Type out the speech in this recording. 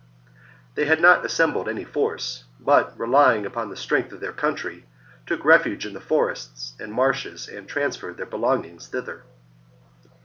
They had not assembled any force, but, relying upon the strength of their country, took refuge in the forests and marshes and trans ferred their belongings thither.